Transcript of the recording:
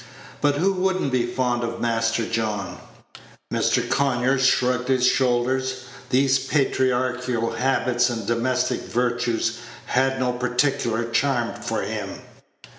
But who would n't be fond of Master John?" Mr. Conyers shrugged his shoulders; these patriarchal habits and domestic virtues had no particular charm for him.